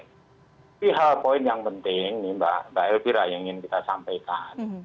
tapi hal poin yang penting nih mbak elvira yang ingin kita sampaikan